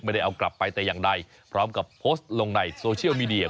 ไม่ได้เอากลับไปแต่อย่างใดพร้อมกับโพสต์ลงในโซเชียลมีเดีย